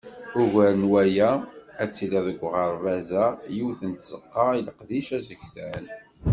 Ugar n waya, ad tili deg uɣerbaz-a yiwet n tzeqqa i leqdic asegtan.